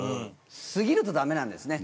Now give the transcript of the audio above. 過ぎるとダメなんですね